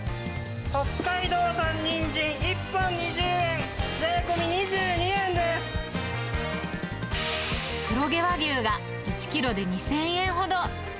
北海道産ニンジン１本２０円、黒毛和牛が１キロで２０００円ほど。